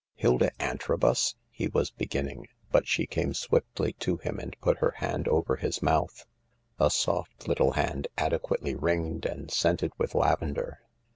" Hilda Antrobus I " he was beginning, but she came swiftly to him and put her hand over his mouth. A soft little hand, adequately ringed and scented with lavender.